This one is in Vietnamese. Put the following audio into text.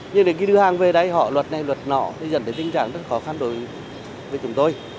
nhưng để khi đưa hàng về đây họ luật này luật nọ thì dẫn đến tình trạng rất khó khăn đối với chúng tôi